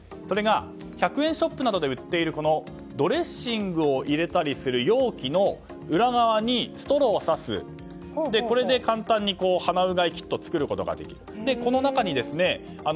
それが、１００円ショップなどで売っているドレッシングを入れたりする容器の裏側にストローを刺すこれで簡単に鼻うがいキットを作ることができる。